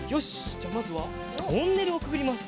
じゃあまずはトンネルをくぐります。